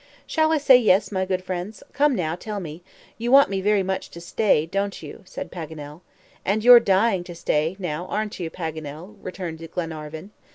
"Shall I say yes, my good friends? Come, now, tell me, you want me very much to stay, don't you?" said Paganel. "And you're dying to stay, now, aren't you, Paganel?" returned Glenarvan.